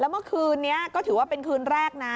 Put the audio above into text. เมื่อคืนนี้ก็ถือว่าเป็นคืนแรกนะ